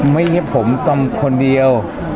ไม่ใช่ผมคนเดียว